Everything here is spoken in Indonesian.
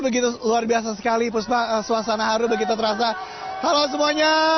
begitu luar biasa sekali puspa suasana haru begitu terasa halo semuanya